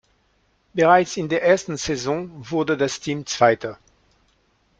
Bereits in der ersten Saison wurde das Team Zweiter.